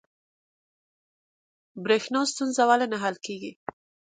بریښنا ستونزه ولې نه حل کیږي؟